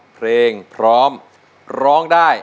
เพลงพร้อมร้องได้